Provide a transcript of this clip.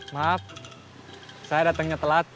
maaf saya datangnya telat